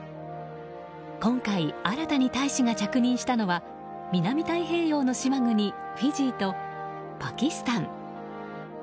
今回、新たに大使が着任したのは南太平洋の島国フィジーとパキスタン。